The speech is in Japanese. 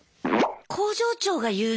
工場長が言うの？